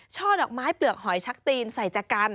ช่อดอกไม้เปลือกหอยชักตีนใส่จากกัน